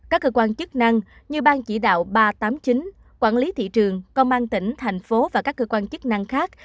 các cơ quan chức năng như ban chỉ đạo ba trăm tám mươi chín quản lý thị trường công an tỉnh thành phố và các cơ quan chức năng khác